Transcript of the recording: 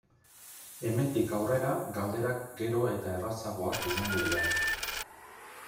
Hemendik aurrera galderak gero eta errazagoak izango dira.